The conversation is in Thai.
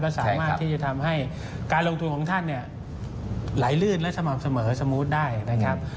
สามารถที่จะทำให้การลงทุนของท่านเนี่ยไหลลื่นและสม่ำเสมอสมูทได้นะครับ